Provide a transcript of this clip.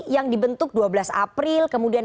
yang dibentuk dua belas april kemudian